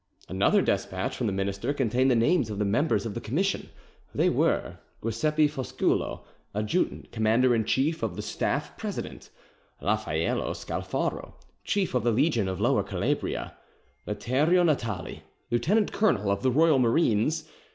Another despatch from the minister contained the names of the members of the commission. They were:— Giuseppe Fosculo, adjutant, commander in chief of the staff, president. Laffaello Scalfaro, chief of the legion of Lower Calabria. Latereo Natali, lieutenant colonel of the Royal Marines.